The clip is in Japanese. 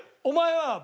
お前は。